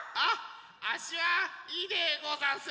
あっしはいいでござんす。